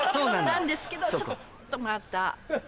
なんですけどちょっとまた。